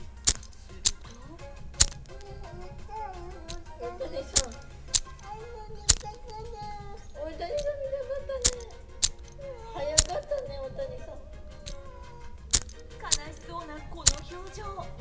すると悲しそうなこの表情。